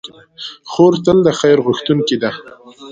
خور تل د خیر غوښتونکې ده.